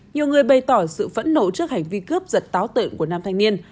nhiều người bày tỏ sự phẫn nộ trước hành vi cướp giật táo tợn của nam thanh niên